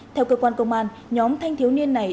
theo cơ quan công an nhóm thanh thiếu niên này